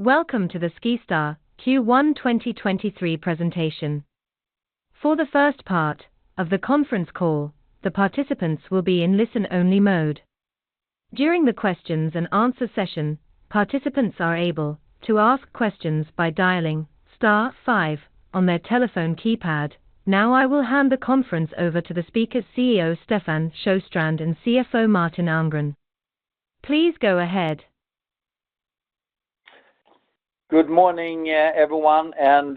Welcome to the SkiStar Q1 2023 presentation. For the first part of the conference call, the participants will be in listen-only mode. During the questions and answer session, participants are able to ask questions by dialing star five on their telephone keypad. Now, I will hand the conference over to the speaker, CEO Stefan Sjöstrand and CFO Martin Almgren. Please go ahead. Good morning, everyone, and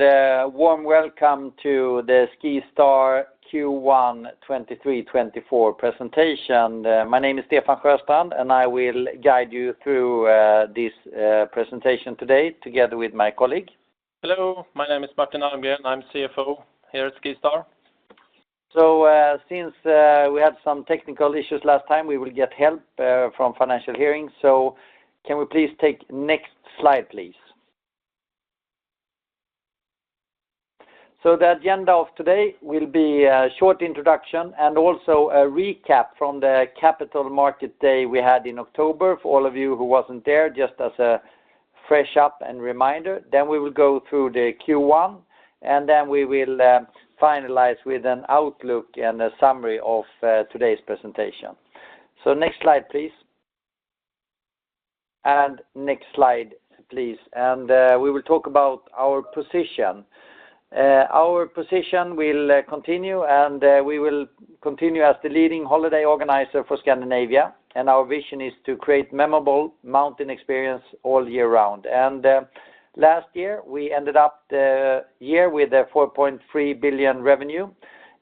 warm welcome to the SkiStar Q1 2023-2024 presentation. My name is Stefan Sjöstrand, and I will guide you through this presentation today together with my colleague. Hello, my name is Martin Almgren. I'm CFO here at SkiStar. Since we had some technical issues last time, we will get help from Financial Hearing. Can we please take next slide, please? The agenda of today will be a short introduction and also a recap from the capital market day we had in October. For all of you who wasn't there, just as a fresh up and reminder, then we will go through the Q1, and then we will finalize with an outlook and a summary of today's presentation. Next slide, please. Next slide, please. We will talk about our position. Our position will continue, and we will continue as the leading holiday organizer for Scandinavia, and our vision is to create memorable mountain experience all year round. Last year, we ended up the year with 4.3 billion revenue,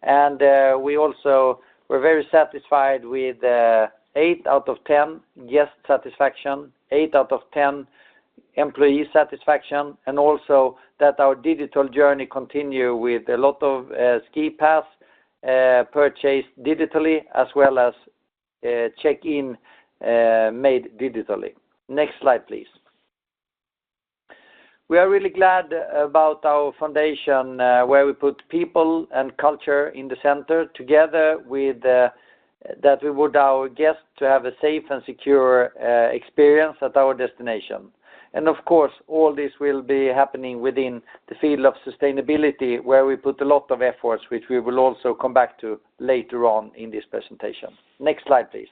and we also were very satisfied with 8 out of 10 guest satisfaction, 8 out of 10 employee satisfaction, and also that our digital journey continue with a lot of ski pass purchased digitally as well as check-in made digitally. Next slide, please. We are really glad about our foundation, where we put people and culture in the center, together with that we want our guests to have a safe and secure experience at our destination. And of course, all this will be happening within the field of sustainability, where we put a lot of efforts, which we will also come back to later on in this presentation. Next slide, please.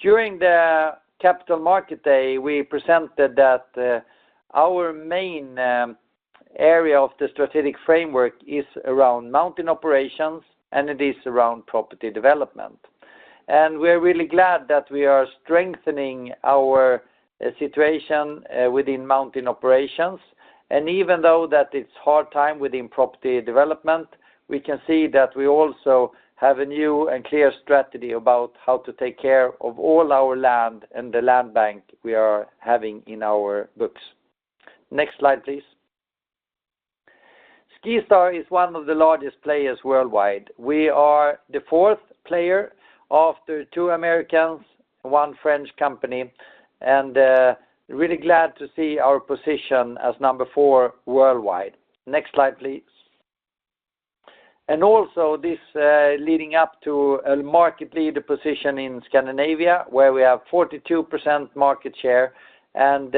During the capital market day, we presented that our main area of the strategic framework is around mountain operations, and it is around property development. And we are really glad that we are strengthening our situation within mountain operations. And even though that it's hard time within property development, we can see that we also have a new and clear strategy about how to take care of all our land and the land bank we are having in our books. Next slide, please. SkiStar is one of the largest players worldwide. We are the fourth player after two Americans, one French company, and really glad to see our position as number four worldwide. Next slide, please. And also, this leading up to a market leader position in Scandinavia, where we have 42% market share, and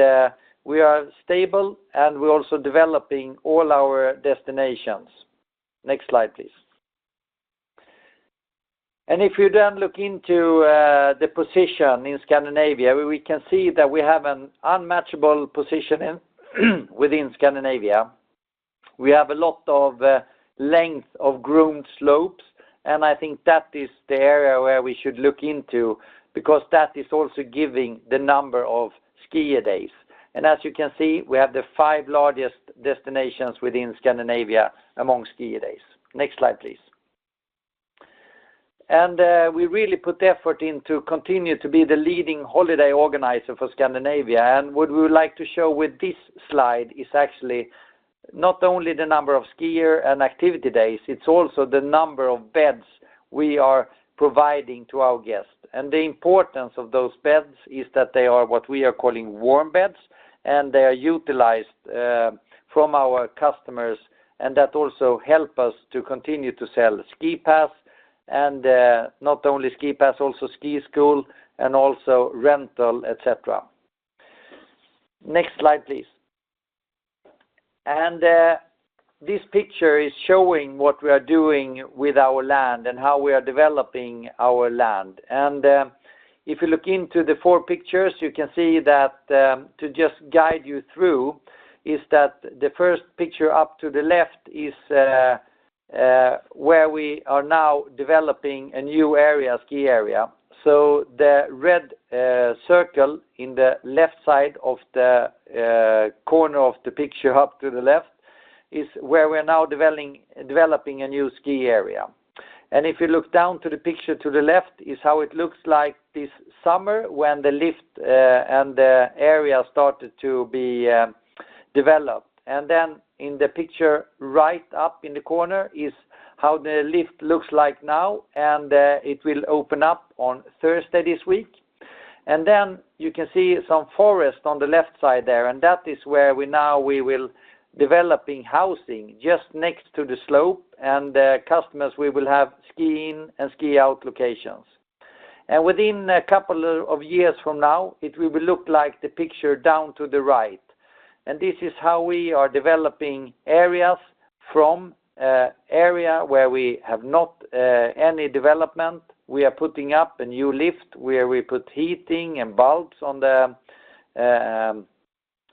we are stable, and we're also developing all our destinations. Next slide, please. And if you then look into the position in Scandinavia, we can see that we have an unmatchable position in within Scandinavia. We have a lot of length of groomed slopes, and I think that is the area where we should look into because that is also giving the number of skier days. And as you can see, we have the five largest destinations within Scandinavia among skier days. Next slide, please. And we really put the effort in to continue to be the leading holiday organizer for Scandinavia. What we would like to show with this slide is actually not only the number of skier and activity days, it's also the number of beds we are providing to our guests. And the importance of those beds is that they are what we are calling warm beds, and they are utilized from our customers, and that also help us to continue to sell ski pass, and not only ski pass, also ski school and also rental, et cetera. Next slide, please. This picture is showing what we are doing with our land and how we are developing our land. If you look into the four pictures, you can see that, to just guide you through, is that the first picture up to the left is where we are now developing a new area, ski area. So the red circle in the left side of the corner of the picture up to the left is where we are now developing a new ski area. And if you look down to the picture to the left, is how it looks like this summer when the lift and the area started to be developed. And then in the picture, right up in the corner is how the lift looks like now, and it will open up on Thursday this week. And then you can see some forest on the left side there, and that is where we now will developing housing just next to the slope, and the customers we will have ski in and ski out locations. And within a couple of years from now, it will look like the picture down to the right. This is how we are developing areas from where we have not any development. We are putting up a new lift, where we put heating and bulbs on the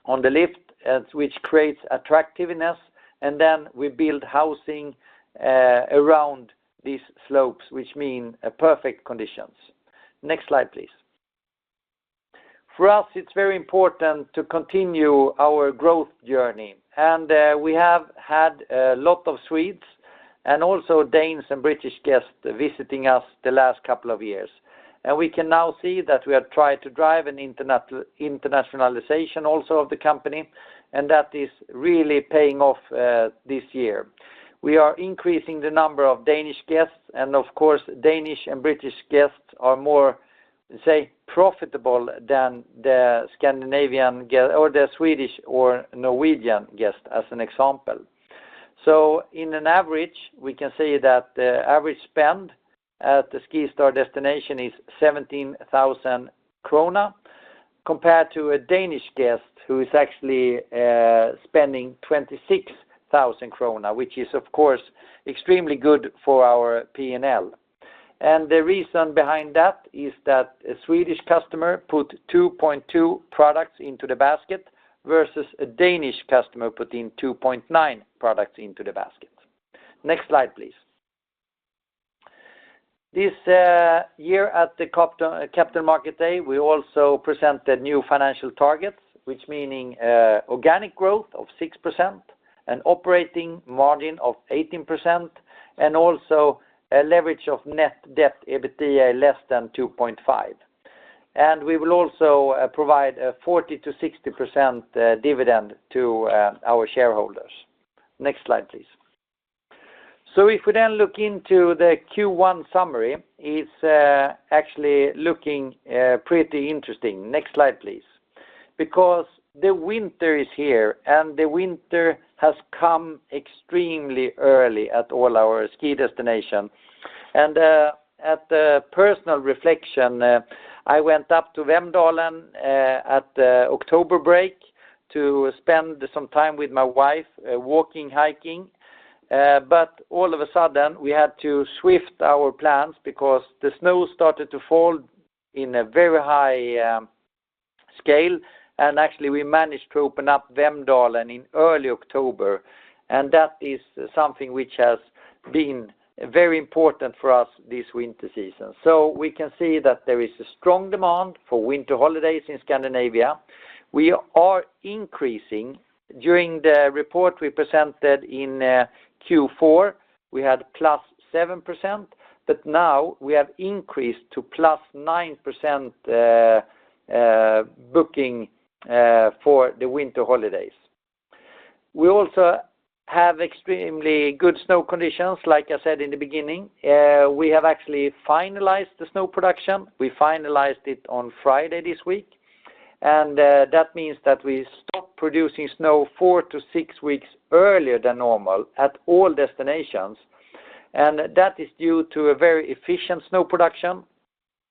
lift, and which creates attractiveness, and then we build housing around these slopes, which mean a perfect conditions. Next slide, please. For us, it's very important to continue our growth journey, and we have had a lot of Swedes, and also Danes and British guests visiting us the last couple of years. We can now see that we are trying to drive an international- internationalization also of the company, and that is really paying off, this year. We are increasing the number of Danish guests, and of course, Danish and British guests are more, say, profitable than the Scandinavian guest, or the Swedish or Norwegian guest, as an example. So in an average, we can say that the average spend at the SkiStar destination is 17,000 krona, compared to a Danish guest, who is actually spending 26,000 krona, which is, of course, extremely good for our PNL. And the reason behind that is that a Swedish customer put 2.2 products into the basket, versus a Danish customer putting 2.9 products into the basket. Next slide, please. This year at the Capital Market Day, we also presented new financial targets, which meaning organic growth of 6%, an operating margin of 18%, and also a leverage of net debt EBITDA less than 2.5. And we will also provide a 40%-60% dividend to our shareholders. Next slide, please. So if we then look into the Q1 summary, it's actually looking pretty interesting. Next slide, please. Because the winter is here, and the winter has come extremely early at all our ski destination. And at the personal reflection, I went up to Vemdalen at the October break to spend some time with my wife, walking, hiking. But all of a sudden, we had to shift our plans because the snow started to fall in a very high scale, and actually we managed to open up Vemdalen in early October, and that is something which has been very important for us this winter season. So we can see that there is a strong demand for winter holidays in Scandinavia. We are increasing. During the report we presented in Q4, we had +7%, but now we have increased to +9% booking for the winter holidays. We also have extremely good snow conditions, like I said in the beginning. We have actually finalized the snow production. We finalized it on Friday this week, and that means that we stopped producing snow 4-6 weeks earlier than normal at all destinations. That is due to a very efficient snow production,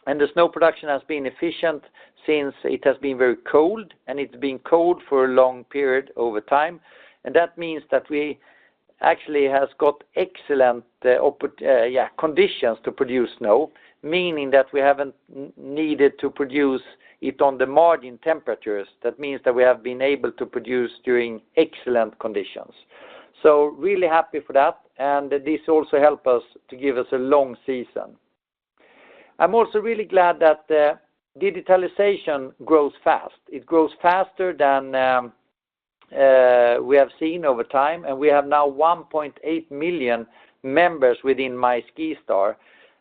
and the snow production has been efficient since it has been very cold, and it's been cold for a long period over time. That means that we actually has got excellent conditions to produce snow, meaning that we haven't needed to produce it on the margin temperatures. That means that we have been able to produce during excellent conditions. So really happy for that, and this also help us to give us a long season. I'm also really glad that digitalization grows fast. It grows faster than we have seen over time, and we have now 1.8 million members within My SkiStar,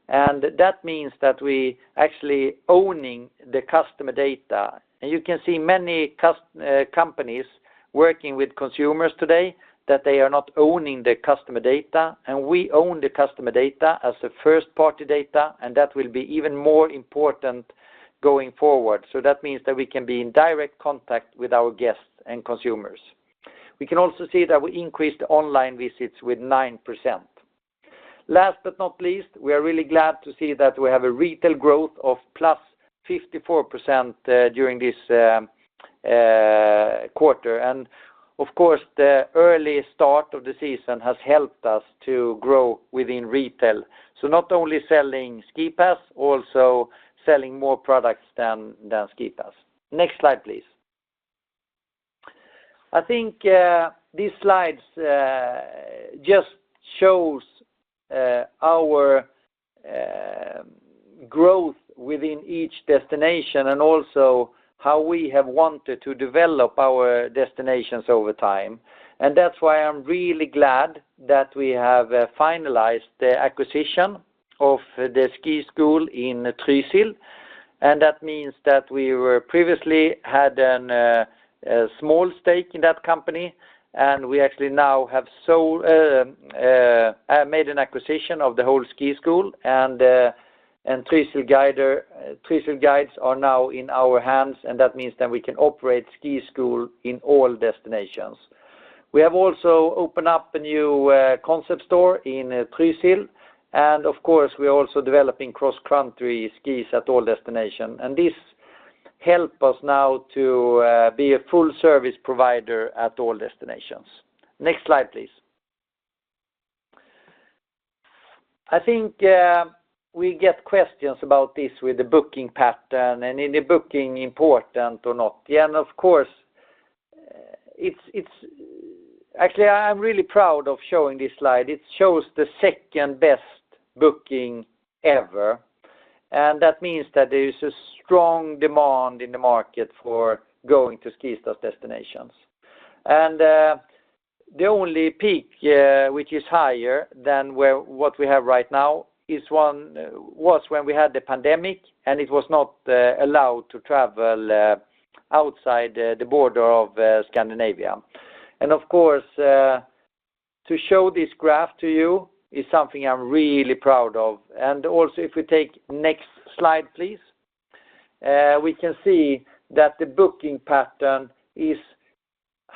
and that means that we actually owning the customer data. And you can see many companies working with consumers today, that they are not owning the customer data, and we own the customer data as a first-party data, and that will be even more important going forward. So that means that we can be in direct contact with our guests and consumers. We can also see that we increased online visits with 9%. Last but not least, we are really glad to see that we have a retail growth of +54% during this quarter. And of course, the early start of the season has helped us to grow within retail. So not only selling ski pass, also selling more products than ski pass. Next slide, please. I think these slides just shows our growth within each destination and also how we have wanted to develop our destinations over time. And that's why I'm really glad that we have finalized the acquisition of the ski school in Trysil. And that means that we were previously had a small stake in that company, and we actually now have made an acquisition of the whole ski school. Trysil Guider is now in our hands, and that means that we can operate ski school in all destinations. We have also opened up a new concept store in Trysil, and of course, we are also developing cross-country skis at all destinations. And this helps us now to be a full service provider at all destinations. Next slide, please. I think we get questions about this with the booking pattern, and is the booking important or not? Yeah, and of course, it's actually, I'm really proud of showing this slide. It shows the second-best booking ever, and that means that there is a strong demand in the market for going to SkiStar destinations. The only peak which is higher than what we have right now is one, was when we had the pandemic, and it was not allowed to travel outside the border of Scandinavia. Of course, to show this graph to you is something I'm really proud of. Also, if we take next slide, please, we can see that the booking pattern is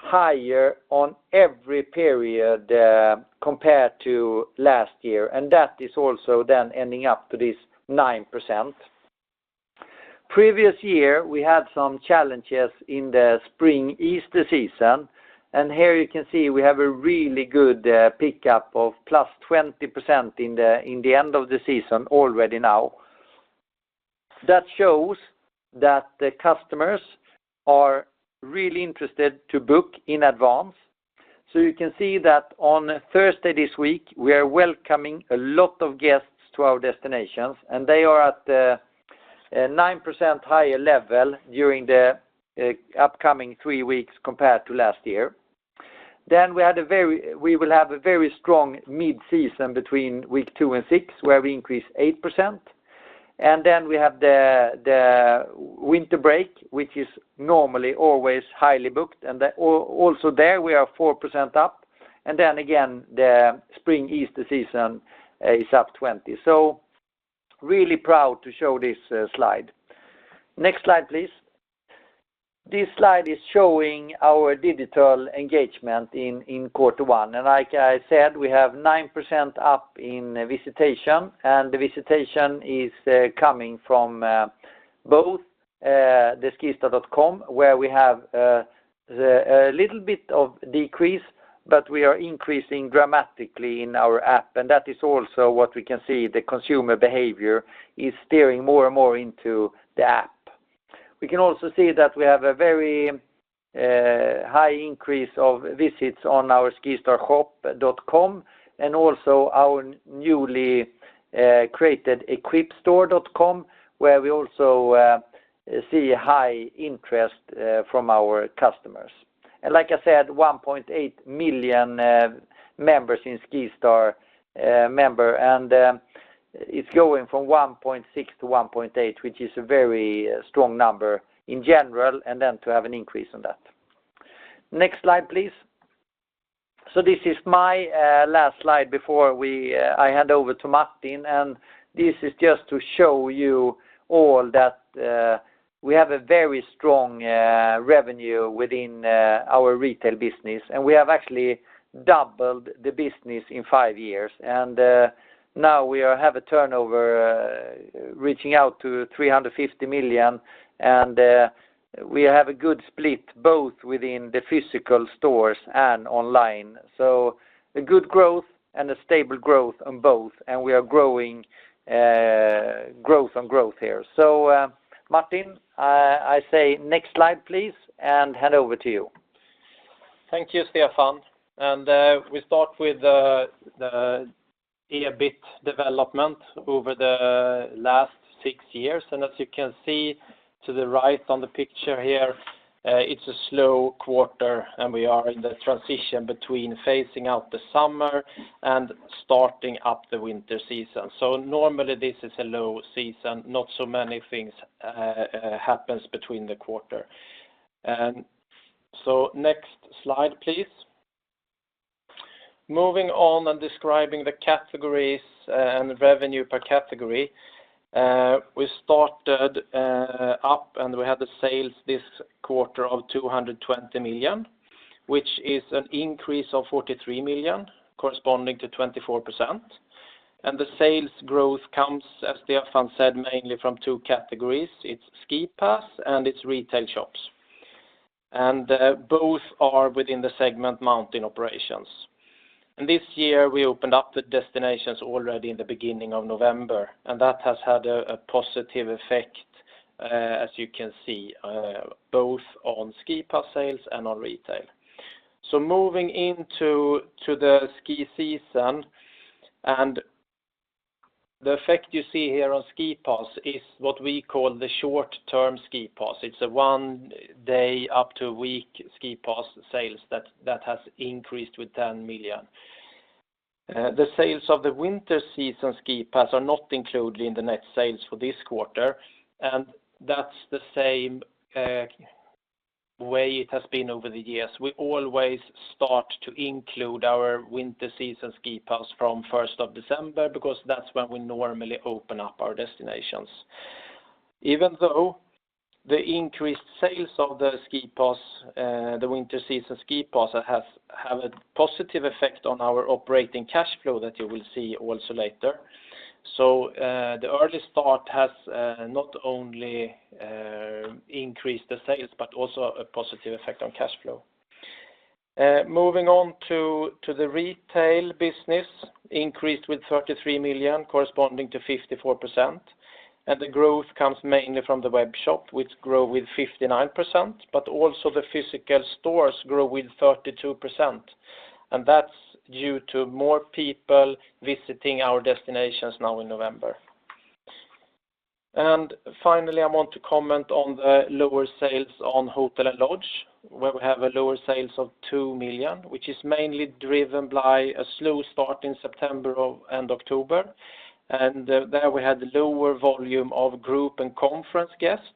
higher on every period compared to last year, and that is also then ending up to this 9%. Previous year, we had some challenges in the spring Easter season, and here you can see we have a really good pickup of +20% in the end of the season already now. That shows that the customers are really interested to book in advance. So you can see that on Thursday this week, we are welcoming a lot of guests to our destinations, and they are at a 9% higher level during the upcoming three weeks compared to last year. Then we will have a very strong mid-season between week 2 and 6, where we increase 8%. And then we have the winter break, which is normally always highly booked, and also there, we are 4% up. And then again, the spring Easter season is up 20%. So really proud to show this slide. Next slide, please. This slide is showing our digital engagement in quarter one. And like I said, we have 9% up in visitation, and the visitation is coming from both the skistar.com, where we have a little bit of decrease, but we are increasing dramatically in our app, and that is also what we can see, the consumer behavior is steering more and more into the app. We can also see that we have a very high increase of visits on our skistarshop.com, and also our newly created eqpestore.com, where we also see high interest from our customers. And like I said, 1.8 million members in SkiStar member, and it's going from 1.6 to 1.8, which is a very strong number in general, and then to have an increase on that. Next slide, please. So this is my last slide before we I hand over to Martin, and this is just to show you all that we have a very strong revenue within our retail business, and we have actually doubled the business in five years. And now we are have a turnover reaching 350 million, and we have a good split both within the physical stores and online. So a good growth and a stable growth on both, and we are growing growth on growth here. So Martin I say next slide, please, and hand over to you. Thank you, Stefan. We start with the EBIT development over the last six years. As you can see to the right on the picture here, it's a slow quarter, and we are in the transition between phasing out the summer and starting up the winter season. Normally this is a low season. Not so many things happens between the quarter. Next slide, please. Moving on and describing the categories and revenue per category, we started up, and we had the sales this quarter of 220 million, which is an increase of 43 million, corresponding to 24%. The sales growth comes, as Stefan said, mainly from two categories: it's ski pass and it's retail shops. Both are within the segment mountain operations. And this year, we opened up the destinations already in the beginning of November, and that has had a positive effect, as you can see, both on ski pass sales and on retail. So moving into the ski season, and the effect you see here on ski pass is what we call the short-term ski pass. It's a one-day up to a week ski pass sales that has increased with 10 million. The sales of the winter season ski pass are not included in the net sales for this quarter, and that's the same way it has been over the years. We always start to include our winter season ski pass from first of December, because that's when we normally open up our destinations. Even though the increased sales of the ski pass, the winter season ski pass, have, have a positive effect on our operating cash flow that you will see also later. So, the early start has not only increased the sales, but also a positive effect on cash flow. Moving on to the retail business, increased with 33 million, corresponding to 54%, and the growth comes mainly from the webshop, which grow with 59%, but also the physical stores grow with 32%. And that's due to more people visiting our destinations now in November. And finally, I want to comment on the lower sales on hotel and lodge, where we have a lower sales of 2 million, which is mainly driven by a slow start in September and October. And there, we had lower volume of group and conference guests,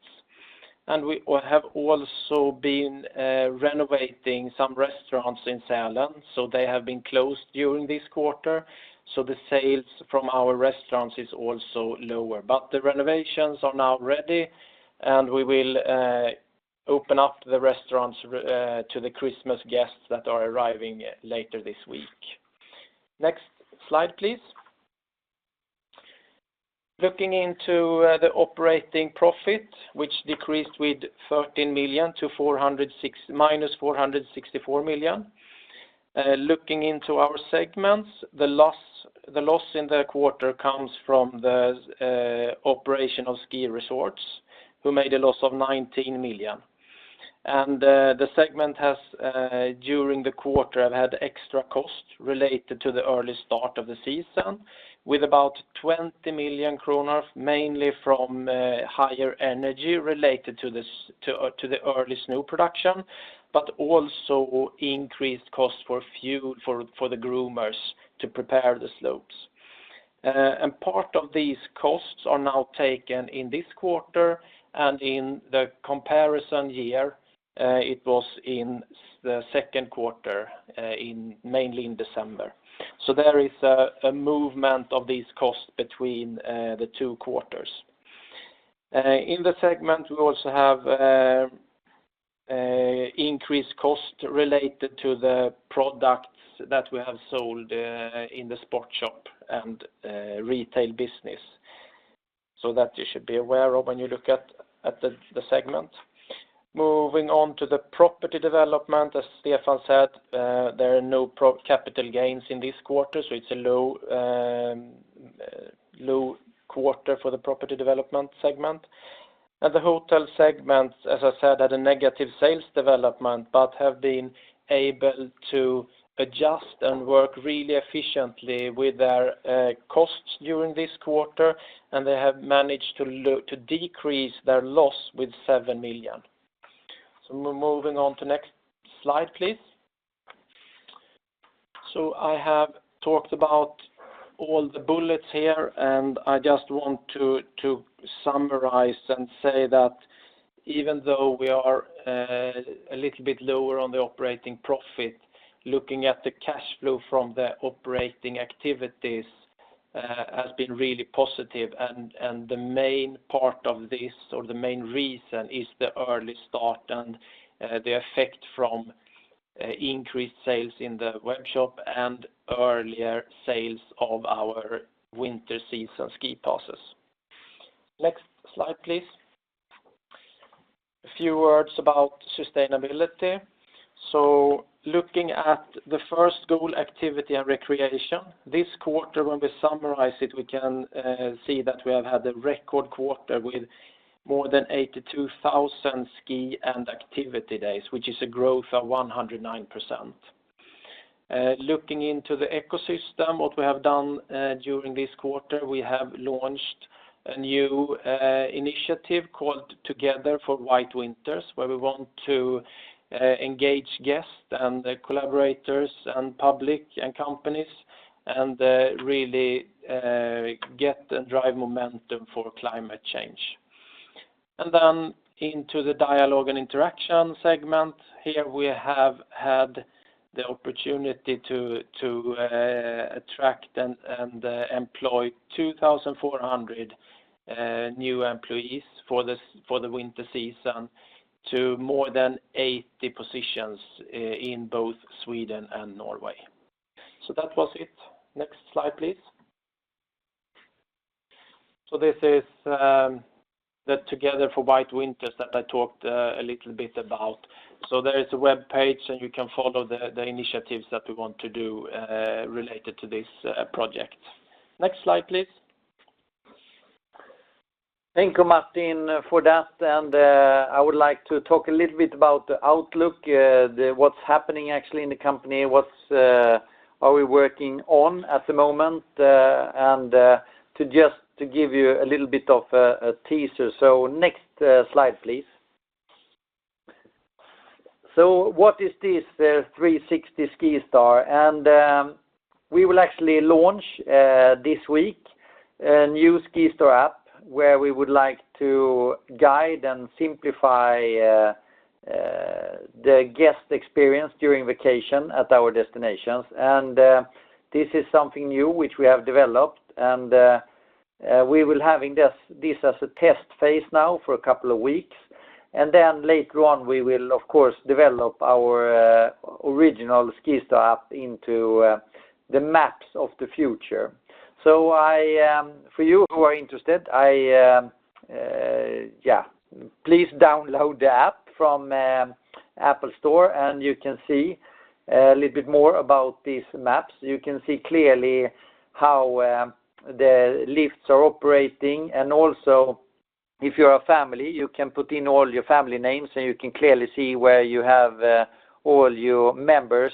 and we have also been renovating some restaurants in Sälen, so they have been closed during this quarter, so the sales from our restaurants is also lower. But the renovations are now ready, and we will open up the restaurants to the Christmas guests that are arriving later this week. Next slide, please. Looking into the operating profit, which decreased with 13 million to -464 million. Looking into our segments, the loss, the loss in the quarter comes from the operation of ski resorts, who made a loss of 19 million. The segment has during the quarter have had extra costs related to the early start of the season, with about 20 million kronor, mainly from higher energy related to the early snow production, but also increased costs for fuel for the groomers to prepare the slopes. Part of these costs are now taken in this quarter, and in the comparison year it was in the second quarter, mainly in December. So there is a movement of these costs between the two quarters. In the segment, we also have increased costs related to the products that we have sold in the sport shop and retail business. So that you should be aware of when you look at the segment. Moving on to the property development, as Stefan said, there are no capital gains in this quarter, so it's a low, low quarter for the property development segment. And the hotel segment, as I said, had a negative sales development, but have been able to adjust and work really efficiently with their costs during this quarter, and they have managed to decrease their loss with 7 million. So moving on to next slide, please. So I have talked about all the bullets here, and I just want to summarize and say that even though we are a little bit lower on the operating profit, looking at the cash flow from the operating activities has been really positive. The main part of this or the main reason is the early start and the effect from increased sales in the webshop and earlier sales of our winter season ski passes. Next slide, please. A few words about sustainability. So looking at the first goal, activity and recreation, this quarter, when we summarize it, we can see that we have had a record quarter with more than 82,000 ski and activity days, which is a growth of 109%. Looking into the ecosystem, what we have done during this quarter, we have launched a new initiative called Together for White Winters, where we want to engage guests and collaborators and public and companies and really get and drive momentum for climate change. And then into the dialogue and interaction segment. Here, we have had the opportunity to attract and employ 2,400 new employees for the winter season to more than 80 positions in both Sweden and Norway. So that was it. Next slide, please. So this is the Together for White Winters that I talked a little bit about. So there is a web page, and you can follow the initiatives that we want to do related to this project. Next slide, please. Thank you, Martin, for that, and, I would like to talk a little bit about the outlook, what's happening actually in the company, what's are we working on at the moment, and, to just give you a little bit of a teaser. So next, slide, please. So what is this, 360 SkiStar? And, we will actually launch, this week, a new SkiStar app, where we would like to guide and simplify the guest experience during vacation at our destinations. And, this is something new which we have developed, and, we will have in this as a test phase now for a couple of weeks. And then later on, we will of course, develop our original SkiStar app into the maps of the future. So, for you who are interested, please download the app from the App Store, and you can see a little bit more about these maps. You can see clearly how the lifts are operating, and also if you're a family, you can put in all your family names, and you can clearly see where you have all your members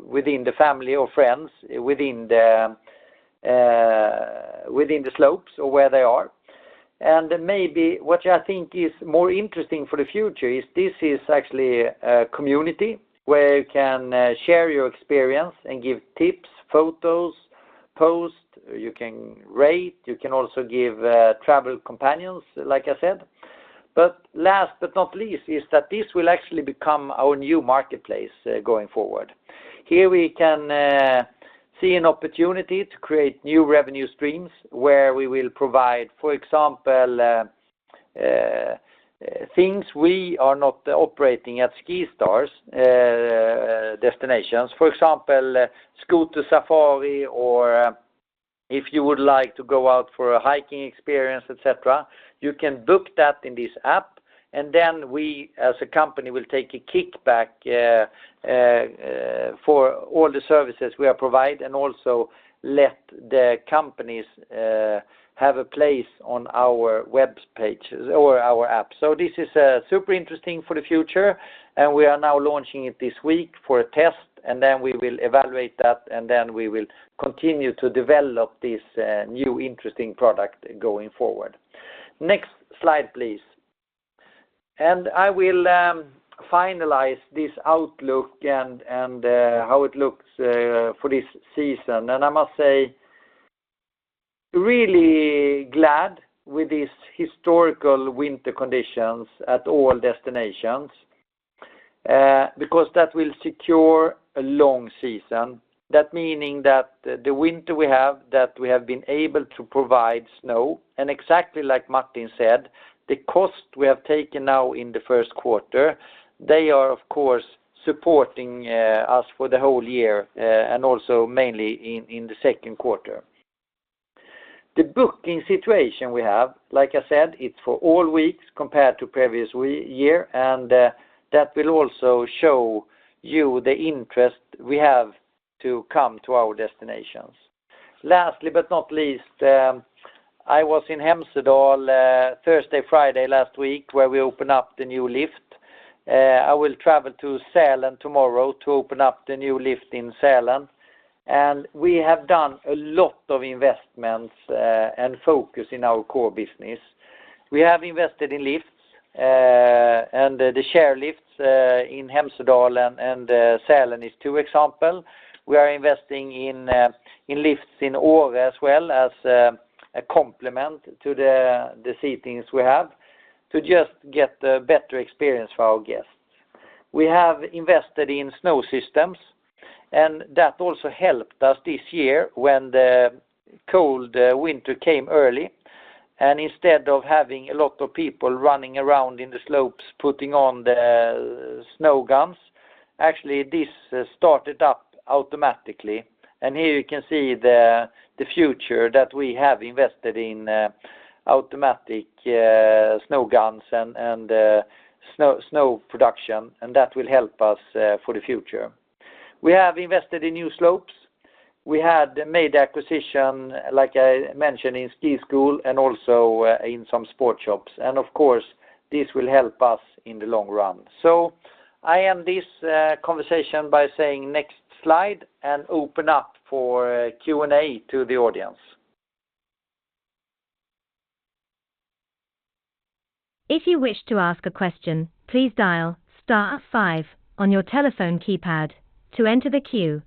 within the family or friends, within the slopes or where they are. And maybe what I think is more interesting for the future is this is actually a community, where you can share your experience and give tips, photos, posts. You can rate, you can also give travel companions, like I said. But last but not least, is that this will actually become our new marketplace going forward. Here we can see an opportunity to create new revenue streams, where we will provide, for example, things we are not operating at SkiStar's destinations. For example, scooter safari, or if you would like to go out for a hiking experience, et cetera, you can book that in this app, and then we, as a company, will take a kickback for all the services we are provide and also let the companies have a place on our web pages or our app. So this is super interesting for the future, and we are now launching it this week for a test, and then we will evaluate that, and then we will continue to develop this new interesting product going forward. Next slide, please. I will finalize this outlook and how it looks for this season. I must say, really glad with this historical winter conditions at all destinations, because that will secure a long season. That meaning that the winter we have, that we have been able to provide snow, and exactly like Martin said, the cost we have taken now in the first quarter, they are of course, supporting, us for the whole year, and also mainly in the second quarter. The booking situation we have, like I said, it's for all weeks compared to previous year, and, that will also show you the interest we have to come to our destinations. Lastly, but not least, I was in Hemsedal, Thursday, Friday last week, where we opened up the new lift. I will travel to Sälen tomorrow to open up the new lift in Sälen. We have done a lot of investments and focus in our core business. We have invested in lifts and the chairlifts in Hemsedal and Sälen is two example. We are investing in lifts in Åre as well as a complement to the seatings we have, to just get a better experience for our guests. We have invested in snow systems, and that also helped us this year when the cold winter came early, and instead of having a lot of people running around in the slopes, putting on the snow guns, actually, this started up automatically. Here you can see the future that we have invested in, automatic snow guns and snow production, and that will help us for the future. We have invested in new slopes. We had made acquisition, like I mentioned, in ski school and also in some sport shops. And of course, this will help us in the long run. So I end this conversation by saying next slide and open up for Q&A to the audience. If you wish to ask a question, please dial star five on your telephone keypad to enter the queue.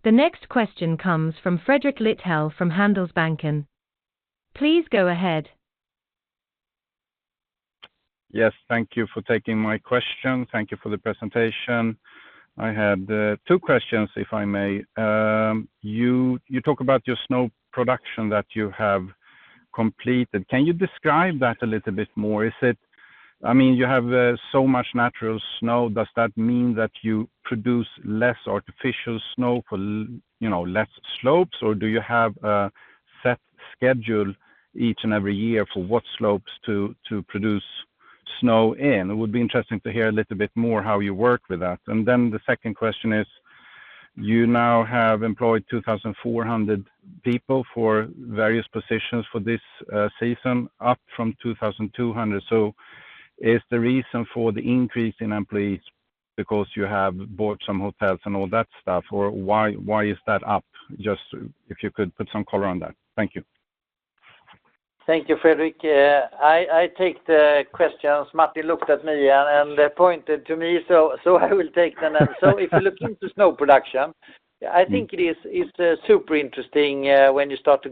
If you wish to withdraw your question, please dial star five again on your telephone keypad. The next question comes from Fredrik Lithell from Handelsbanken. Please go ahead. Yes, thank you for taking my question. Thank you for the presentation. I had two questions, if I may. You talk about your snow production that you have completed. Can you describe that a little bit more? Is it—I mean, you have so much natural snow. Does that mean that you produce less artificial snow for, you know, less slopes, or do you have a set schedule each and every year for what slopes to produce snow in? It would be interesting to hear a little bit more how you work with that. And then the second question is, you now have employed 2,400 people for various positions for this season, up from 2,200. So is the reason for the increase in employees?... because you have bought some hotels and all that stuff, or why, why is that up? Just if you could put some color on that. Thank you. Thank you, Fredrik. I take the questions. Martin looked at me and pointed to me, so I will take them. So if you look into snow production, I think it is super interesting when you start to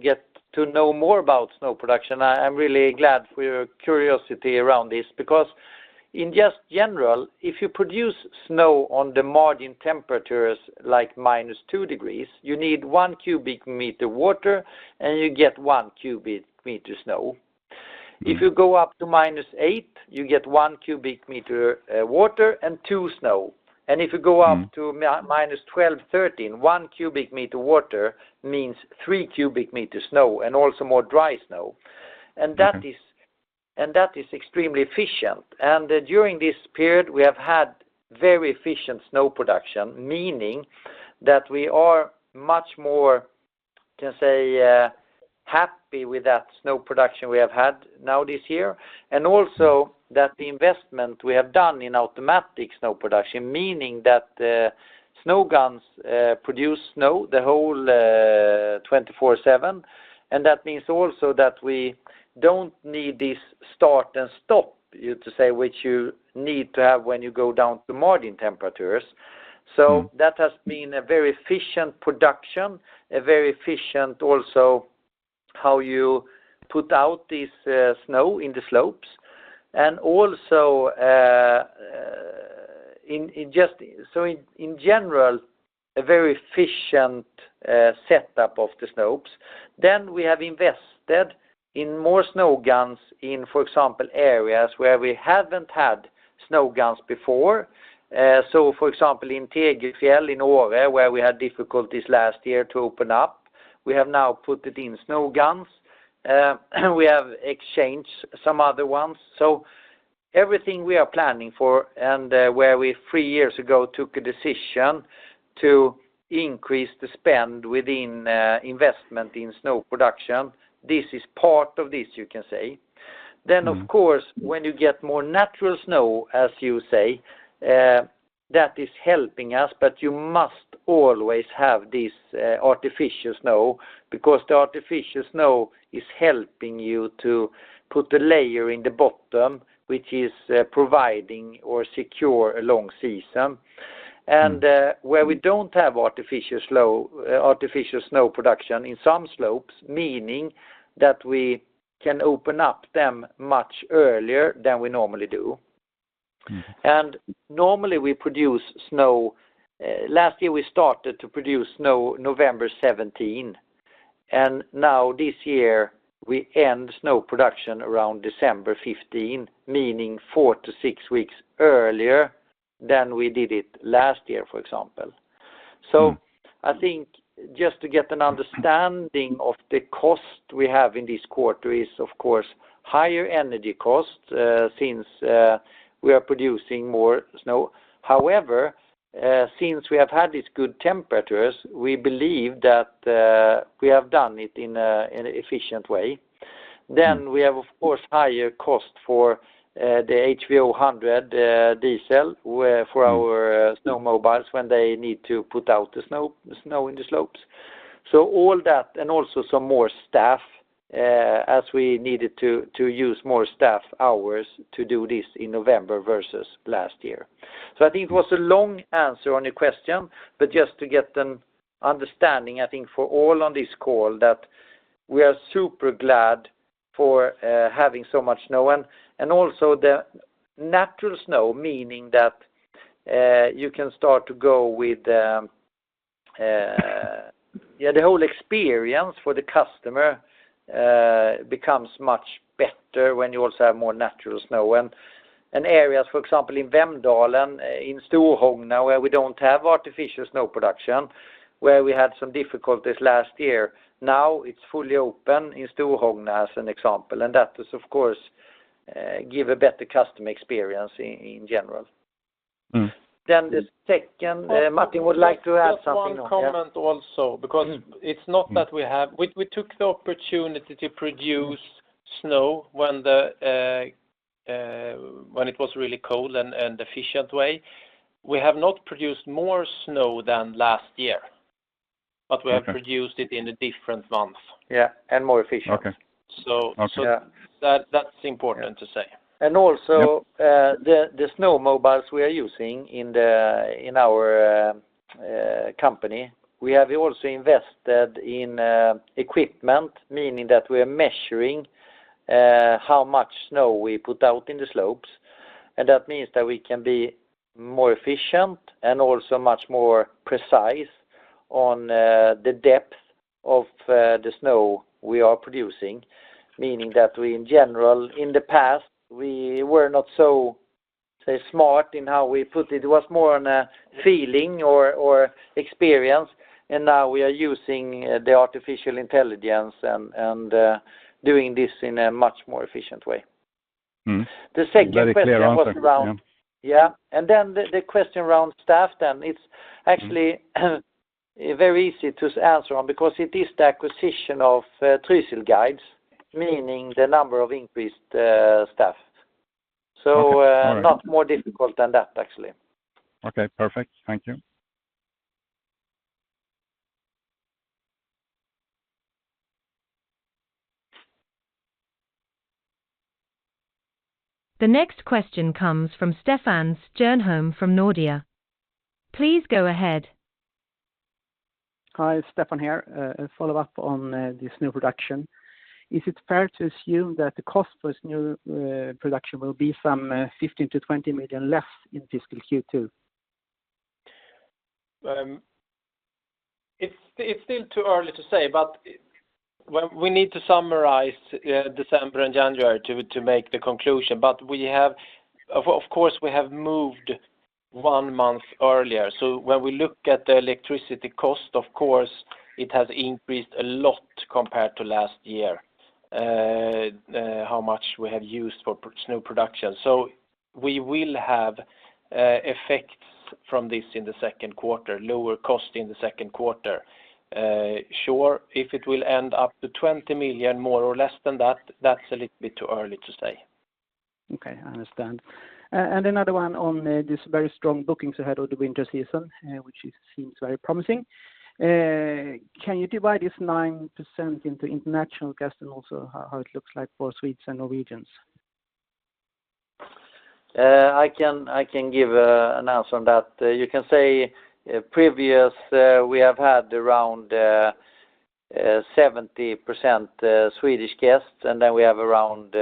get to know more about snow production. I'm really glad for your curiosity around this, because in just general, if you produce snow on the margin temperatures like -2 degrees, you need 1 cubic meter water, and you get 1 cubic meter snow. If you go up to -8, you get 1 cubic meter water and 2 snow. Mm. If you go up to minus 12, 13, 1 cubic meter water means 3 cubic meter snow, and also more dry snow. Okay. And that is, and that is extremely efficient. And during this period, we have had very efficient snow production, meaning that we are much more, can say, happy with that snow production we have had now this year. And also that the investment we have done in automatic snow production, meaning that, snow guns, produce snow the whole, 24/7. And that means also that we don't need this start and stop, you to say, which you need to have when you go down to margin temperatures. Mm. So that has been a very efficient production, a very efficient also how you put out this snow in the slopes, and also in general, a very efficient setup of the slopes. Then we have invested in more snow guns in, for example, areas where we haven't had snow guns before. So for example, in Tegefjäll, in Åre, where we had difficulties last year to open up, we have now put in snow guns. We have exchanged some other ones. So everything we are planning for and where we three years ago took a decision to increase the spend within investment in snow production, this is part of this, you can say. Mm. Then, of course, when you get more natural snow, as you say, that is helping us, but you must always have this artificial snow, because the artificial snow is helping you to put the layer in the bottom, which is providing or secure a long season. Mm. Where we don't have artificial snow production in some slopes, meaning that we can open up them much earlier than we normally do. Mm. Normally, we produce snow... Last year, we started to produce snow November 17, and now this year, we end snow production around December 15, meaning 4-6 weeks earlier than we did it last year, for example. Mm. I think just to get an understanding of the cost we have in this quarter is, of course, higher energy costs, since we are producing more snow. However, since we have had these good temperatures, we believe that we have done it in an efficient way. Mm. Then we have, of course, higher cost for the HVO100 diesel, where- Mm... for our snowmobiles when they need to put out the snow, the snow in the slopes. So all that, and also some more staff, as we needed to use more staff hours to do this in November versus last year. So I think it was a long answer on your question, but just to get an understanding, I think for all on this call, that we are super glad for having so much snow and also the natural snow, meaning that you can start to go with the, yeah, the whole experience for the customer becomes much better when you also have more natural snow. areas, for example, in Vemdalen, in Storhogna, where we don't have artificial snow production, where we had some difficulties last year, now it's fully open in Storhogna as an example, and that is, of course, give a better customer experience in general. Mm. Then the second, Martin would like to add something on. Just one comment also, because- Mm... it's not that we have. We, we took the opportunity to produce snow when it was really cold and efficient way. We have not produced more snow than last year- Okay... but we have produced it in a different month. Yeah, and more efficient. Okay. So- Okay. That's important to say. Yeah. And also- Yeah... the snowmobiles we are using in our company, we have also invested in equipment, meaning that we are measuring how much snow we put out in the slopes. And that means that we can be more efficient and also much more precise on the depth of the snow we are producing. Meaning that we, in general, in the past, we were not so, say, smart in how we put it. It was more on a feeling or experience, and now we are using the artificial intelligence and doing this in a much more efficient way. Mm-hmm. The second question was around- Very clear answer. Yeah. Yeah. And then the question around staff, then it's actually very easy to answer on, because it is the acquisition of Trysil Guider, meaning the number of increased staff. Okay, all right. Not more difficult than that, actually. Okay, perfect. Thank you. The next question comes from Stefan Stjernholm from Nordea. Please go ahead. Hi, Stefan here. A follow-up on the snow production. Is it fair to assume that the cost for snow production will be some 15 million-20 million less in fiscal Q2? It's still too early to say, but when we need to summarize December and January to make the conclusion. But of course, we have moved one month earlier. So when we look at the electricity cost, of course, it has increased a lot compared to last year. How much we have used for snow production. So we will have effects from this in the second quarter, lower cost in the second quarter. Sure, if it will end up to 20 million, more or less than that, that's a little bit too early to say. Okay, I understand. And another one on this very strong bookings ahead of the winter season, which seems very promising. Can you divide this 9% into international guests, and also how it looks like for Swedes and Norwegians? I can give an answer on that. You can say, previously, we have had around 70% Swedish guests, and then we have around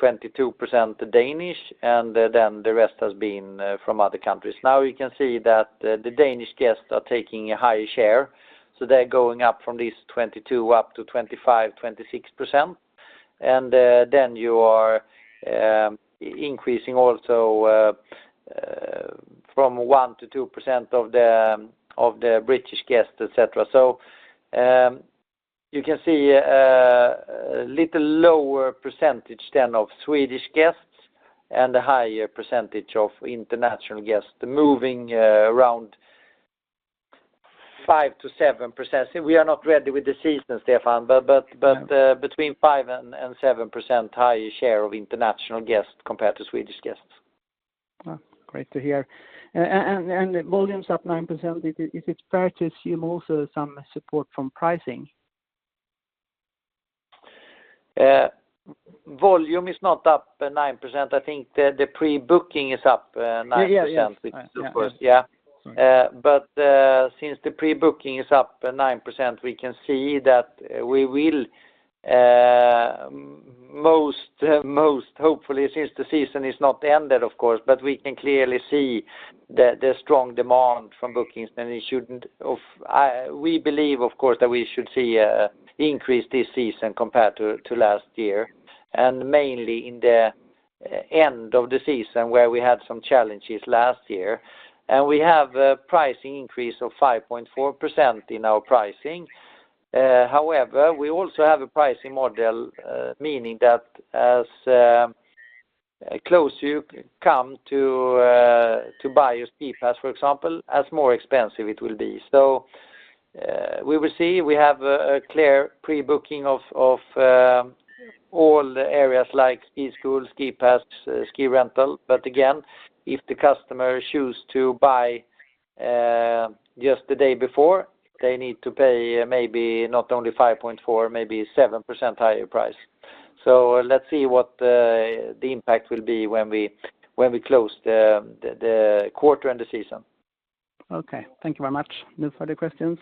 22% Danish, and then the rest has been from other countries. Now, you can see that the Danish guests are taking a higher share, so they're going up from this 22 up to 25-26%. And then you are increasing also from 1% to 2% of the British guests, et cetera. So you can see a little lower percentage than of Swedish guests and a higher percentage of international guests, moving around 5%-7%. We are not ready with the season, Stefan, but, but- Yeah... between 5% and 7% higher share of international guests compared to Swedish guests. Well, great to hear. And the volume's up 9%. Is it fair to assume also some support from pricing? Volume is not up 9%. I think the pre-booking is up 9%. Yeah, yeah. Yeah. But since the pre-booking is up 9%, we can see that we will most hopefully, since the season is not ended, of course, but we can clearly see the strong demand from bookings, and we believe, of course, that we should see an increase this season compared to last year, and mainly in the end of the season, where we had some challenges last year. And we have a pricing increase of 5.4% in our pricing. However, we also have a pricing model meaning that as close you come to buy a ski pass, for example, as more expensive it will be. So we will see. We have a clear pre-booking of all the areas like ski school, ski pass, ski rental. But again, if the customer choose to buy just the day before, they need to pay maybe not only 5.4, maybe 7% higher price. So let's see what the impact will be when we close the quarter and the season. Okay, thank you very much. No further questions.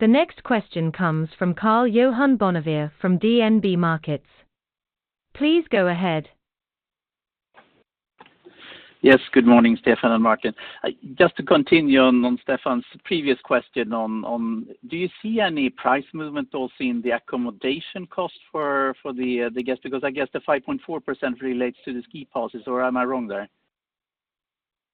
The next question comes from Karl-Johan Bonnevier from DNB Markets. Please go ahead. Yes, good morning, Stefan and Martin. Just to continue on Stefan's previous question on... Do you see any price movement also in the accommodation cost for the guests? Because I guess the 5.4% relates to the ski passes, or am I wrong there?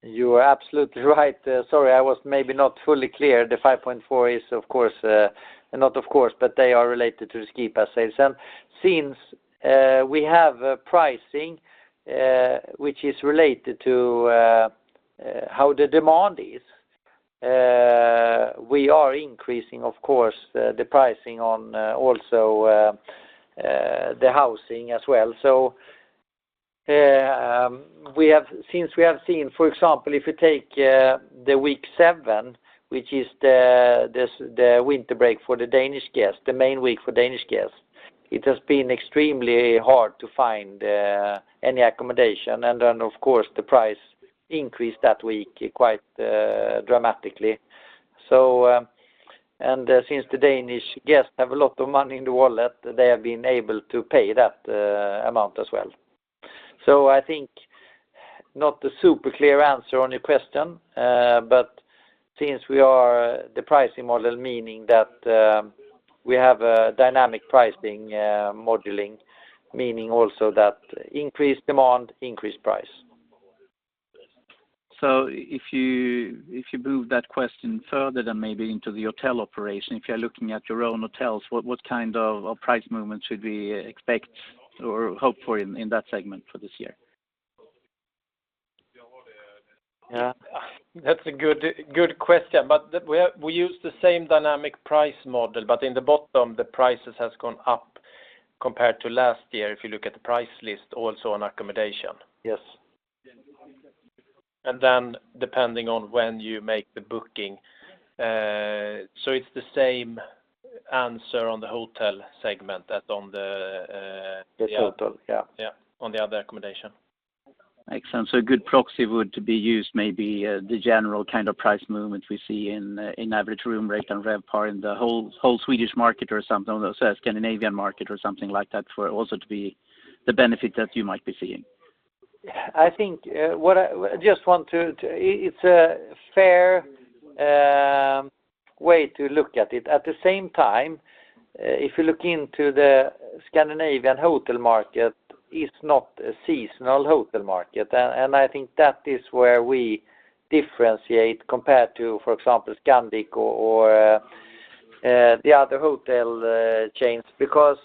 You are absolutely right. Sorry, I was maybe not fully clear. The 5.4 is, of course, not of course, but they are related to the ski pass sales. And since we have a pricing which is related to how the demand is, we are increasing, of course, the pricing on also the housing as well. So, since we have seen, for example, if you take the week 7, which is the winter break for the Danish guests, the main week for Danish guests, it has been extremely hard to find any accommodation, and then, of course, the price increased that week quite dramatically. So, since the Danish guests have a lot of money in the wallet, they have been able to pay that amount as well. So I think not a super clear answer on your question, but since we are the pricing model, meaning that we have a dynamic pricing modeling, meaning also that increased demand, increased price.... So if you, if you move that question further, then maybe into the hotel operation, if you are looking at your own hotels, what, what kind of a price movement should we expect or hope for in, in that segment for this year? Yeah, that's a good, good question, but we use the same dynamic price model, but in the bottom, the prices has gone up compared to last year, if you look at the price list also on accommodation. Yes. And then depending on when you make the booking, so it's the same answer on the hotel segment as on the, The total, yeah. Yeah, on the other accommodation. Makes sense. So a good proxy would to be used maybe, the general kind of price movement we see in average room rate and RevPAR in the whole Swedish market or something, or say Scandinavian market or something like that, for also to be the benefit that you might be seeing? I think it's a fair way to look at it. At the same time, if you look into the Scandinavian hotel market, it's not a seasonal hotel market. And I think that is where we differentiate compared to, for example, Scandic or the other hotel chains. Because,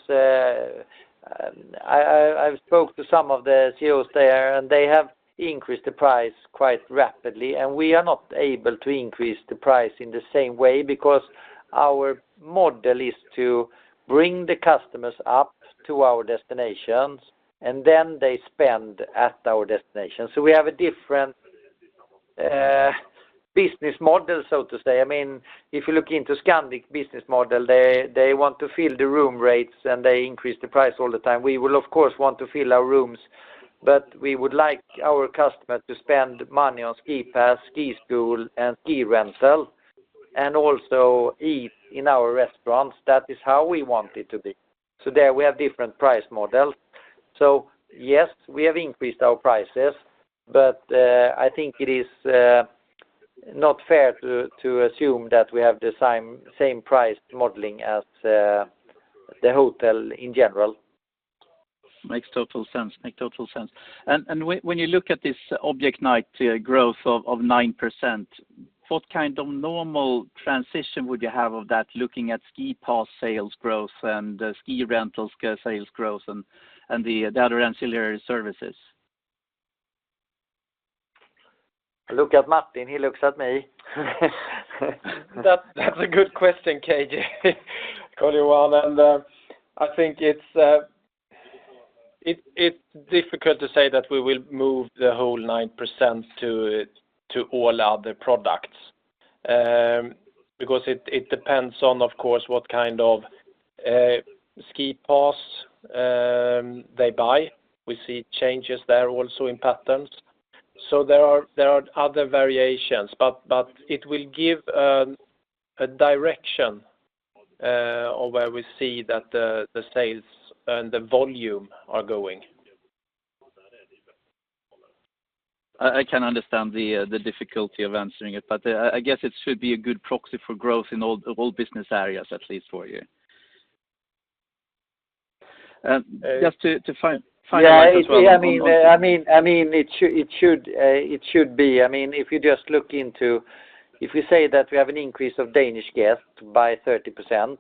I've spoke to some of the CEOs there, and they have increased the price quite rapidly, and we are not able to increase the price in the same way because our model is to bring the customers up to our destinations, and then they spend at our destinations. So we have a different business model, so to say. I mean, if you look into Scandic's business model, they want to fill the room rates, and they increase the price all the time. We will, of course, want to fill our rooms, but we would like our customers to spend money on ski pass, ski school, and ski rental, and also eat in our restaurants. That is how we want it to be. So there we have different price models. So yes, we have increased our prices, but I think it is not fair to assume that we have the same price modeling as the hotel in general. Makes total sense. And when you look at this Object night growth of 9%, what kind of normal transition would you have of that, looking at ski pass sales growth and ski rental sales growth and the other ancillary services? I look at Martin. He looks at me. That's a good question, K.J. Bonnevier. I think it's difficult to say that we will move the whole 9% to all other products. Because it depends on, of course, what kind of ski pass they buy. We see changes there also in patterns. So there are other variations, but it will give a direction of where we see that the sales and the volume are going. I can understand the difficulty of answering it, but I guess it should be a good proxy for growth in all business areas, at least for you. Just to find- Yeah, I mean, it should be. I mean, if you just look into... If we say that we have an increase of Danish guests by 30%,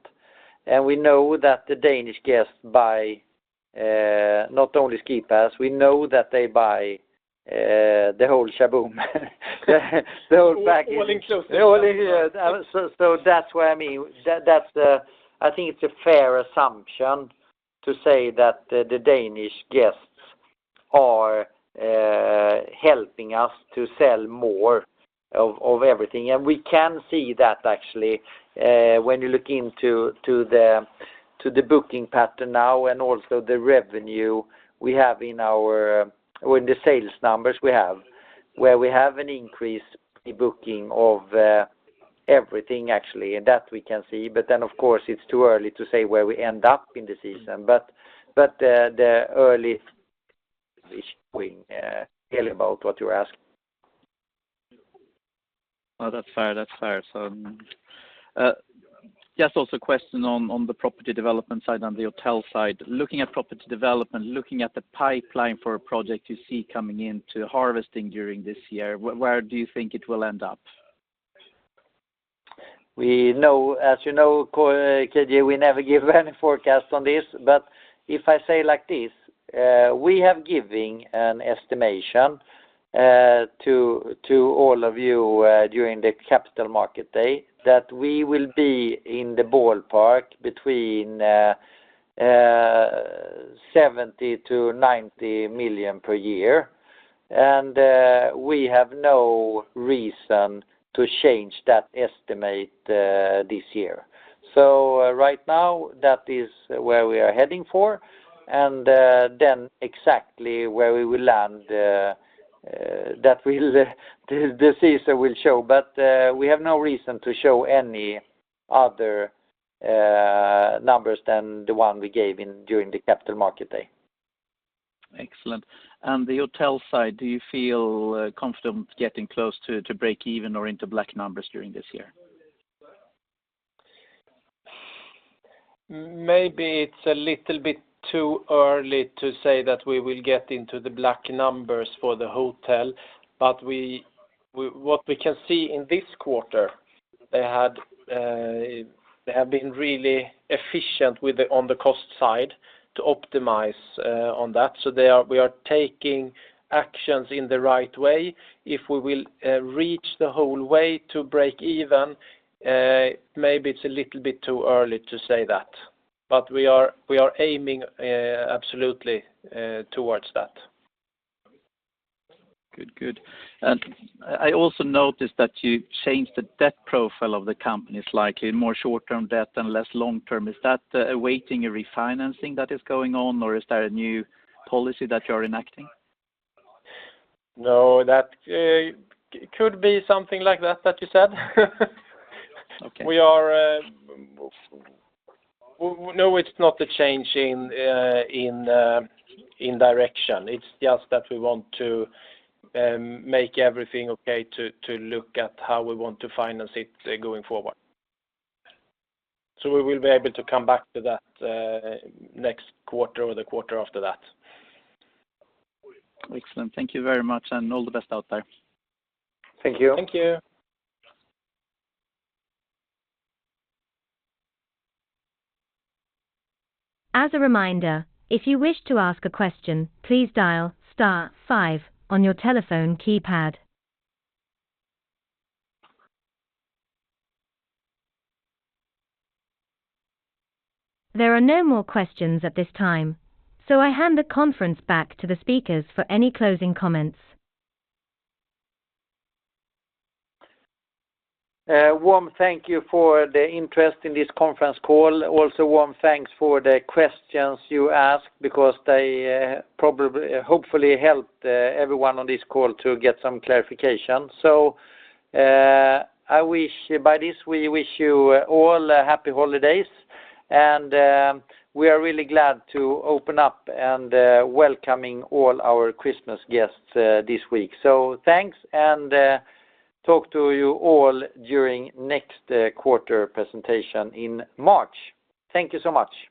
and we know that the Danish guests buy not only ski pass, we know that they buy the whole shaboom. The whole package. All inclusive. So that's what I mean. That's the—I think it's a fair assumption to say that the Danish guests are helping us to sell more of everything. And we can see that actually, when you look into the booking pattern now and also the revenue we have in our, or in the sales numbers we have, where we have an increase in booking of everything actually, and that we can see. But then, of course, it's too early to say where we end up in the season. But the early showing really about what you're asking. Oh, that's fair. That's fair. So, just also a question on the property development side and the hotel side. Looking at property development, looking at the pipeline for a project you see coming into harvesting during this year, where do you think it will end up? We know, as you know, KJ, we never give any forecast on this. But if I say like this, we have giving an estimation to all of you during the Capital Market Day, that we will be in the ballpark between 70 million-90 million per year, and we have no reason to change that estimate this year. So right now, that is where we are heading for, and then exactly where we will land, that will, the season will show. But we have no reason to show any other numbers than the one we gave in during the Capital Market Day. Excellent. And the hotel side, do you feel confident getting close to break even or into black numbers during this year?... Maybe it's a little bit too early to say that we will get into the black numbers for the hotel, but what we can see in this quarter, they have been really efficient with the on the cost side to optimize on that. So they are, we are taking actions in the right way. If we will reach the whole way to break even, maybe it's a little bit too early to say that. But we are, we are aiming absolutely towards that. Good, good. And I also noticed that you changed the debt profile of the company, slightly, more short-term debt and less long-term. Is that awaiting a refinancing that is going on, or is there a new policy that you are enacting? No, that could be something like that, that you said. Okay. We are, no, it's not a change in direction. It's just that we want to make everything okay to look at how we want to finance it going forward. So we will be able to come back to that next quarter or the quarter after that. Excellent. Thank you very much, and all the best out there. Thank you. Thank you. As a reminder, if you wish to ask a question, please dial star five on your telephone keypad. There are no more questions at this time, so I hand the conference back to the speakers for any closing comments. Warm thank you for the interest in this conference call. Also, warm thanks for the questions you asked, because they, probably, hopefully helped, everyone on this call to get some clarification. So, I wish, by this, we wish you all happy holidays, and, we are really glad to open up and, welcoming all our Christmas guests, this week. So thanks, and, talk to you all during next, quarter presentation in March. Thank you so much!